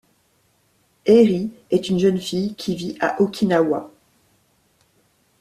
Airi est une jeune fille qui vit à Okinawa.